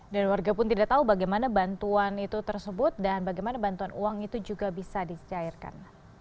dan warga pun tidak tahu bagaimana bantuan itu tersebut dan bagaimana bantuan uang itu juga bisa disyairkan